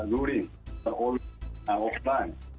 kita mengatakan secara offline